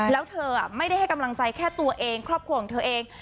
แล้วเธอไม่ได้ให้กำลังใจแค่ตัวเองครอบครัวของเธอเอง